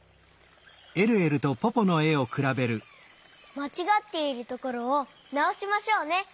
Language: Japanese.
まちがっているところをなおしましょうね。